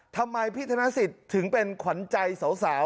ทำไมพี่ธนสิทธิ์ถึงเป็นขวัญใจสาว